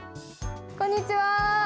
こんにちは。